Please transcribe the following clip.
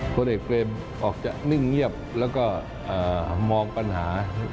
พลเอกเบรมออกจะนิ่งเงียบแล้วก็มองปัญหา